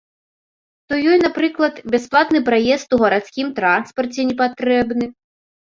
То ёй, напрыклад, бясплатны праезд у гарадскім транспарце не патрэбны.